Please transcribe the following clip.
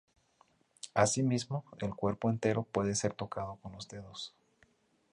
Asimismo, el cuerpo entero puede ser tocado con los dedos.